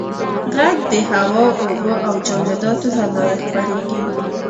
• ږغ د هوا، اوبو او جامداتو له لارې خپرېږي.